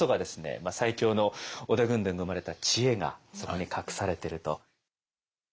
最強の織田軍団が生まれた知恵がそこに隠されてると。